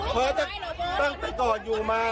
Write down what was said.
เหมือนในตอนแห่งลดถูกต่อออกอยู่มา